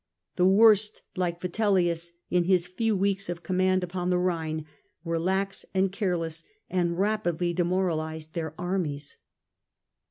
The worst, like Vitel lius in his few weeks of command upon the Rhine, were lax and careless, and rapidly demoralized their armies.